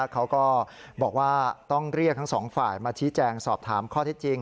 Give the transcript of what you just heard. เขาก็บอกว่าต้องเรียกทั้งสองฝ่ายมาชี้แจงสอบถามข้อที่จริง